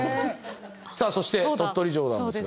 さあそして鳥取城なんですが。